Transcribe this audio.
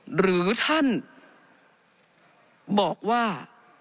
หรือท่านบอกว่า